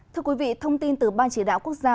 thưa quý vị thông tin từ ban chỉ đạo quốc gia